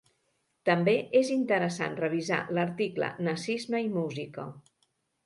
També és interessant revisar l'article Nazisme i música.